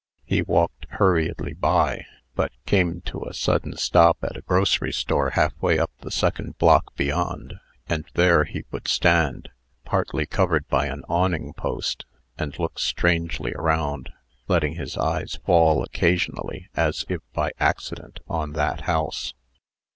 He walked hurriedly by, but came to a sudden stop at a grocery store halfway up the second block beyond, and there he would stand, partly covered by an awning post, and look strangely around, letting his eyes fall occasionally, and as if by accident, on that house.